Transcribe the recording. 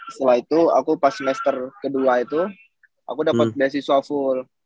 setelah itu aku pas semester kedua itu aku dapat beasiswa full